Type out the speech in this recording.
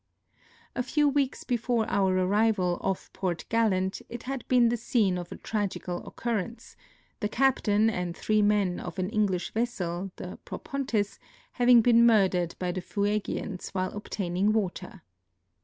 A few weeks before our arrival off Port Gallant it had been the scene of a tragical occurrence, the captain and three men of an English vessel, the P/'opon^/s, having been murdered by the Fuegians while obtaining water.